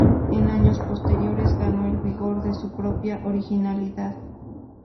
En años posteriores ganó el vigor de su propia originalidad.